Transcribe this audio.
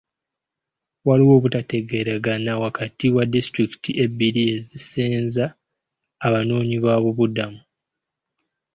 Waliwo obutategeeregana wakati wa disitulikiti ebbiri ezisenza abanoonyiboobubudamu.